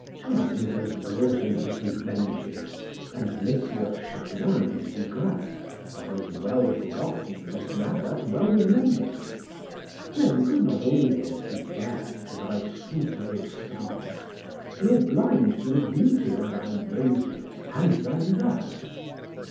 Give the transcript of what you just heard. Time has brought in his revenges, and Messieurs Chapelain and De Grasse are as well forgotten as thou art well remembered. Men could not always be deaf to thy sweet old songs, nor blind to the beauty of thy roses and thy loves.